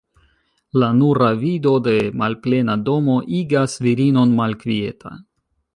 La nura vido de malplena domo igas virinon malkvieta.